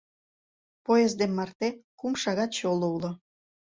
Поездем марте кум шагат чоло уло.